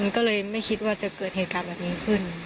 ก็เลยไม่คิดว่าจะเกิดเหตุการณ์แบบนี้ขึ้น